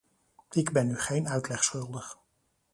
Ik ben u geen uitleg schuldig.